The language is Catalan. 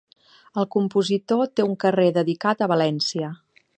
El compositor té un carrer dedicat a València.